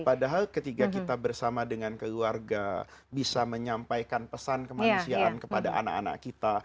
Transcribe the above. padahal ketika kita bersama dengan keluarga bisa menyampaikan pesan kemanusiaan kepada anak anak kita